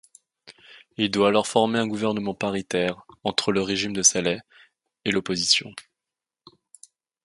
Il doit alors former un gouvernement paritaire entre le régime de Saleh et l'opposition.